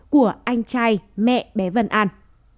của anh trai mẹ bé vân an